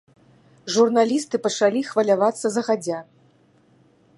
Журналісты пачалі хвалявацца загадзя.